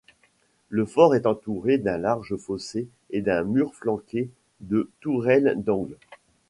Le fort est entouré d'un large fossé et d'un mur flanqué de tourelles d'angle.